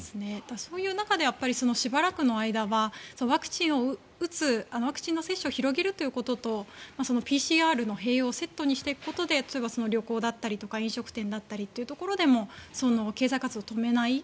そういう中でしばらくの間はワクチンを打つワクチンの接種を広げるということとＰＣＲの併用をセットにしていくことで例えば、旅行だったりとか飲食店だったりというところでも経済活動を止めない。